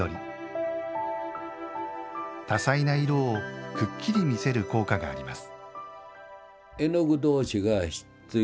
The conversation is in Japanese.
多彩な色をくっきり見せる効果があります